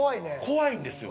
怖いんですよ。